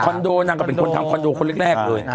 คอนโดนางก็เป็นคนทำคอนโดคนแรกด้วย